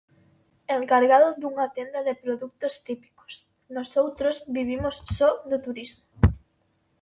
Encargado dunha tenda de produtos típicos Nosoutros vivimos só do turismo.